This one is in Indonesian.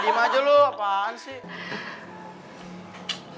diem aja lu apaan sih